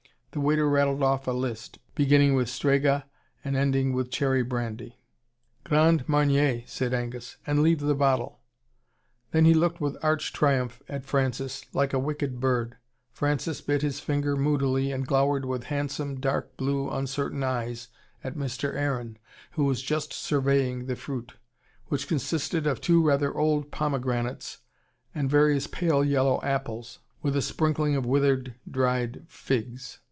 The waiter rattled off a list, beginning with Strega and ending with cherry brandy. "Grand Marnier," said Angus. "And leave the bottle." Then he looked with arch triumph at Francis, like a wicked bird. Francis bit his finger moodily, and glowered with handsome, dark blue uncertain eyes at Mr. Aaron, who was just surveying the Frutte, which consisted of two rather old pomegranates and various pale yellow apples, with a sprinkling of withered dried figs.